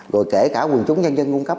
rồi kể cả quân chúng dân dân cung cấp